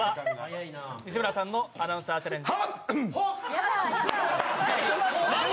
西村さんのアナウンサーチャレンジ。